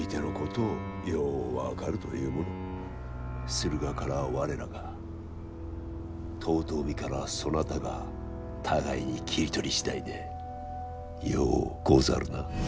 駿河からは我らが遠江からはそなたが互いに切り取り次第でようござるな。